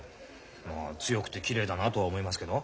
まあ強くてきれいだなとは思いますけど。